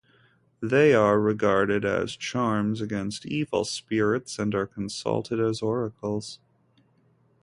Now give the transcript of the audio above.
They are regarded as charms against evil spirits, and are consulted as oracles.